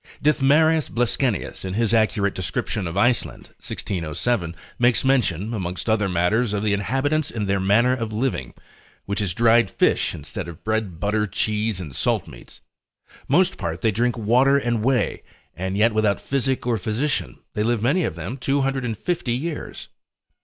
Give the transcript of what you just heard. Dithmarus Bleskenius in his accurate description of Iceland, 1607, makes mention, amongst other matters, of the inhabitants, and their manner of living, which is dried fish instead of bread, butter, cheese, and salt meats, most part they drink water and whey, and yet without physic or physician, they live many of them 250 years.